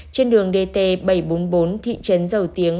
trên đường dt bảy trăm bốn mươi bốn thị trấn dầu tiếng